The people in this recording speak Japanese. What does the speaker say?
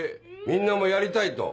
みんなもやりたいと。